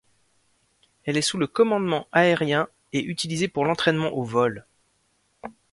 Elle est sous le Commandement aérien et utilisée pour l'entraînement au vol.